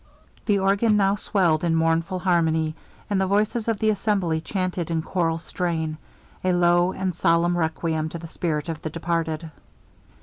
The organ now swelled in mournful harmony; and the voices of the assembly chanted in choral strain, a low and solemn requiem to the spirit of the departed.